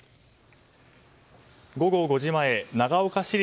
午後５時前長岡市立